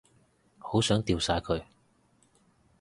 好想掉晒佢